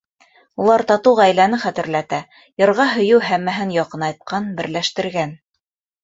Улар татыу ғаиләне хәтерләтә, йырға һөйөү һәммәһен яҡынайтҡан, берләштергән.